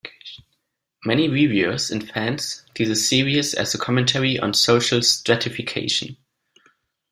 Many reviewers and fans see the series as a commentary on social stratification.